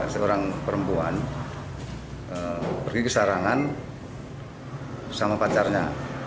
seorang perempuan pergi ke sarangan sama pacarnya